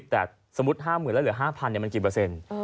แต่สมมุติ๕๐๐๐แล้วเหลือ๕๐๐มันกี่เปอร์เซ็นต์